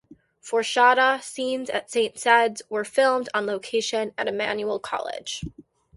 For "Shada", scenes at Saint Cedd's were filmed on location at Emmanuel College.